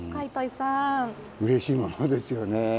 うれしいものですよね。